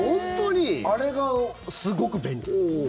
あれがすごく便利。